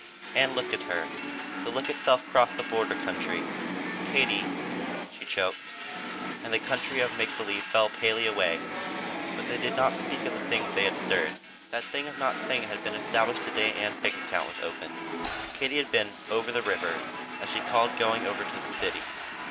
Ann looked at her. The look itself crossed the border country. "Katie " she choked and the country of make believe fell palely away. But they did not speak of the things they had stirred. That thing of not saying it had been established the day Ann's bank account was opened. Katie had been "over the river," as she called going over to the city.